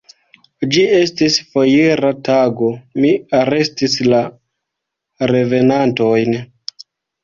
Ĝi estis foira tago: mi arestis la revenantojn.